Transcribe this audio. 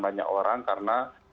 banyak orang karena